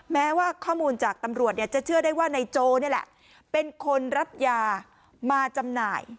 แม้ว่าข้อมูลจากตำรวจเนี่ยจะเชื่อได้ว่านายโจนี่แหละเป็นคนรับยามาจำหน่าย